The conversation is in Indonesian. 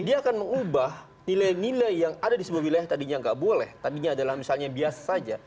dia akan mengubah nilai nilai yang ada di sebuah wilayah tadinya nggak boleh tadinya adalah misalnya biasa saja